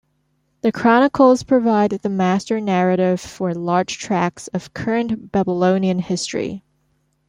The Chronicles provide the "master narrative" for large tracts of current Babylonian history.